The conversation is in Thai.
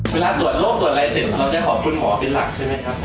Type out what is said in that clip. เวลาตรวจโรคตรวจอะไรเสร็จเราจะขอบคุณหมอเป็นหลักใช่ไหมครับ